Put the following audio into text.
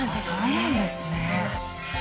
そうなんですね